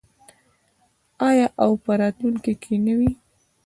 آیا او په راتلونکي کې نه وي؟